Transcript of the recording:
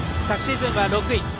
昨シーズンは６位。